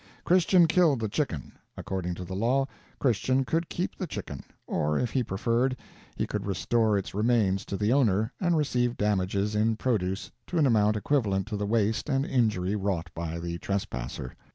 Christian killed the chicken. According to the law, Christian could keep the chicken; or, if he preferred, he could restore its remains to the owner and receive damages in "produce" to an amount equivalent to the waste and injury wrought by the trespasser.